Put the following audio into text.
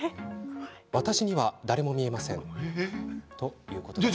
私には誰も見えませんということです。